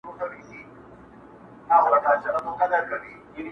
وږي نس ته یې لا ښکار نه وو میندلی٫